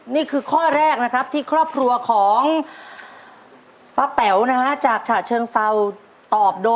โดดโดดโดดโดด